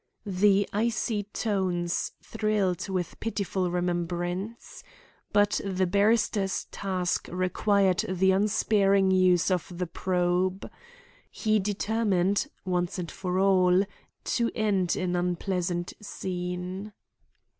The icy tones thrilled with pitiful remembrance. But the barrister's task required the unsparing use of the probe. He determined, once and for all, to end an unpleasant scene.